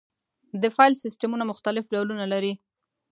د فایل سیستمونه مختلف ډولونه لري.